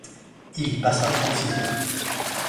Il y passa trente-six heures.